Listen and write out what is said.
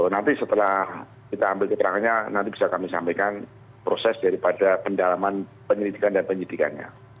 nanti setelah kita ambil keterangannya nanti bisa kami sampaikan proses daripada pendalaman penyelidikan dan penyidikannya